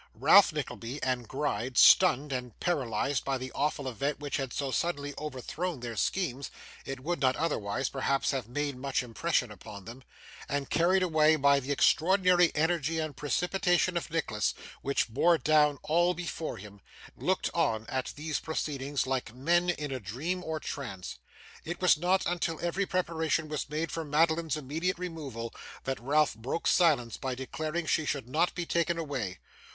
Ralph Nickleby and Gride, stunned and paralysed by the awful event which had so suddenly overthrown their schemes (it would not otherwise, perhaps, have made much impression on them), and carried away by the extraordinary energy and precipitation of Nicholas, which bore down all before him, looked on at these proceedings like men in a dream or trance. It was not until every preparation was made for Madeline's immediate removal that Ralph broke silence by declaring she should not be taken away.